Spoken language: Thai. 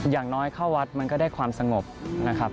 อย่างน้อยเข้าวัดมันก็ได้ความสงบนะครับ